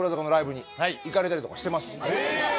行かれたりとかしてますし。